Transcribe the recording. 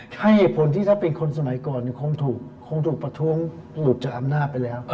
ใช่เหตุผลที่ถ้าเป็นคนสมัยก่อนคงถูกประท้วงหลุดจากอำนาจไปแล้ว